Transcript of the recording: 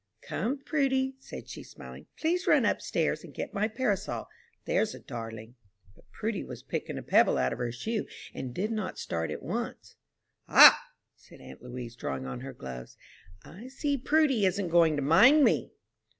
"Come, Prudy," said she, smiling, "please run up stairs and get my parasol there's a darling." But Prudy was picking a pebble out of her shoe, and did not start at once. "Ah!" said aunt Louise, drawing on her gloves, "I see Prudy isn't going to mind me."